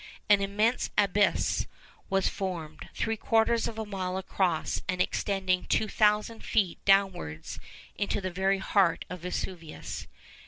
An immense abyss was formed, three quarters of a mile across, and extending 2,000 feet downwards into the very heart of Vesuvius.